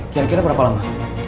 kira kira berapa lama